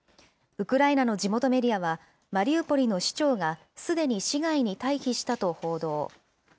ウクライナの地元メディアは、マリウポリの市長がすでに市外に退避したと報道。